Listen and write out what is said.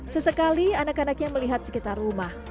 sesekali anak anaknya melihat sekitar rumah